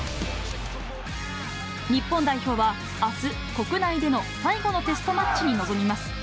日本代表はあす、国内での最後のテストマッチに臨みます。